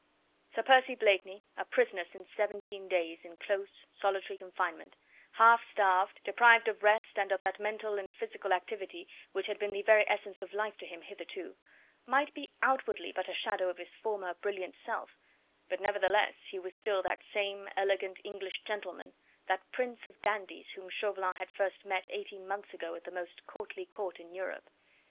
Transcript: Sir Percy Blakeney a prisoner since seventeen days in close, solitary confinement, half starved, deprived of rest, and of that mental and physical activity which had been the very essence of life to him hitherto might be outwardly but a shadow of his former brilliant self, but nevertheless he was still that same elegant English gentleman, that prince of dandies whom Chauvelin had first met eighteen months ago at the most courtly Court in Europe.